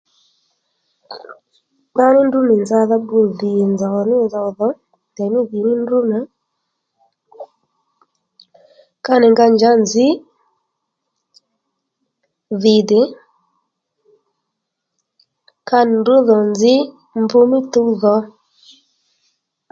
Kpa ní ndrǔ nì nzadha bbu dhì nzòw ní nzòw dhò ndèymí dhì ní ndrǔ nà ka nì nga njǎ nzǐ dhì dè ka nì ndrǔ dhò nzǐ mb mí tuw dhǒ